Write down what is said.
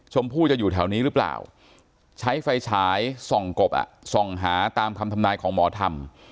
ผู้จะอยู่แถวนี้หรือเปล่าใช้ไฟฉายส่องกบส่องหาตามคำทำนายของหมอธรรม